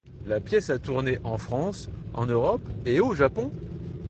La pièce a tourné en France, en Europe, et au Japon.